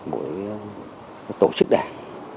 mỗi tổ chức đảng